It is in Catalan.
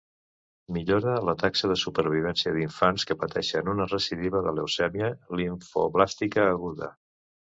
Millora la taxa de supervivència d'infants que pateixen una recidiva de leucèmia limfoblàstica aguda.